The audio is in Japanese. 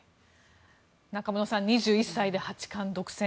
中室さん２１歳で八冠独占。